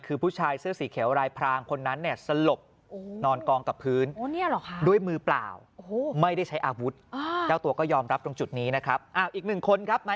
คือผู้ชายเสื้อสีเขียวลายพรางคนนั้นสลบ